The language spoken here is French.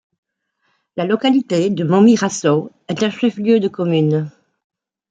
La localité de Momirasso est un chef-lieu de commune.